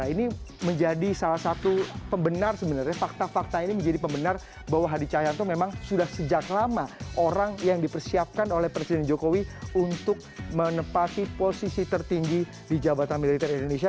ini menjadi salah satu pembenar sebenarnya fakta fakta ini menjadi pembenar bahwa hadi cahyanto memang sudah sejak lama orang yang dipersiapkan oleh presiden jokowi untuk menempati posisi tertinggi di jabatan militer indonesia